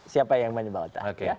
siapa yang membantah